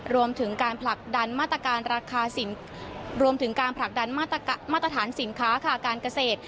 รวมถึงการผลักดันมาตรการสินค้าค่าการเกษตร